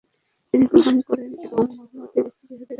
তিনি গ্রহণ করেন এবং মুহাম্মদের স্ত্রী হতে রাজি হন।